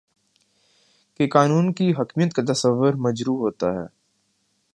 کہ قانون کی حاکمیت کا تصور مجروح ہوتا ہے